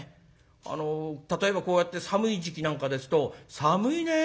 あの例えばこうやって寒い時期なんかですと「寒いね。